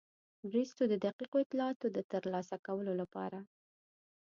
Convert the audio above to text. بریسټو د دقیقو اطلاعاتو د ترلاسه کولو لپاره.